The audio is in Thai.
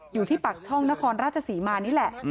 อยู่ที่ปากช่องนครราชศรีมานี่แหละ